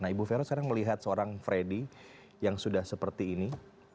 nah ibu vero sekarang melihat seorang freddy yang sudah seperti ini